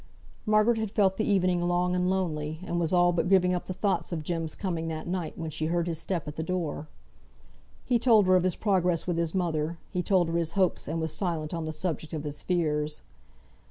Margaret had felt the evening long and lonely; and was all but giving up the thoughts of Jem's coming that night, when she heard his step at the door. He told her of his progress with his mother; he told her his hopes, and was silent on the subject of his fears.